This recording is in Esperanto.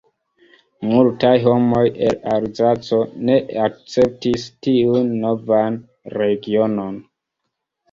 Multaj homoj el Alzaco ne akceptis tiun novan regionon.